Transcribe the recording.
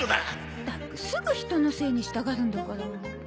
ったくすぐ人のせいにしたがるんだから。